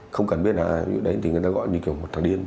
không cần biết là ai đấy thì người ta gọi như kiểu một thằng điên